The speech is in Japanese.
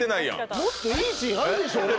もっといいシーンあるでしょ？